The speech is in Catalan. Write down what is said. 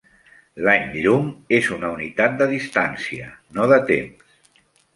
L'any llum és una unitat de distància, no de temps.